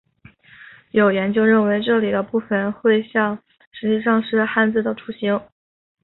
有研究认为这里的部分绘像实际上是汉字的雏形。